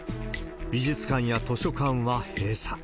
美術館や図書館は閉鎖。